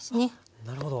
なるほど。